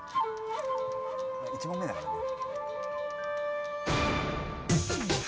１問目だからね。